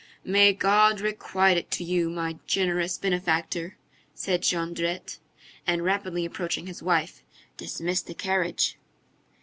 "May God requite it to you, my generous benefactor!" said Jondrette. And rapidly approaching his wife:— "Dismiss the carriage!"